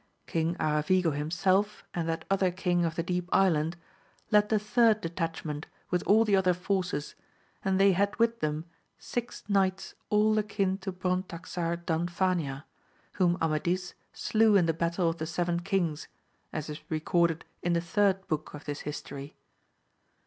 King Ara vigo himself and that other King of the Deep Island, led the third detachment with all the other forces, and they had with them six knights all akin to Brontaxar Danfania, whom Amadis slew in the battle of the seven kings, as is recorded in the third book of this history.